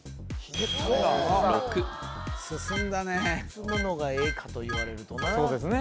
６進んだね進むのがええかと言われるとなそうですね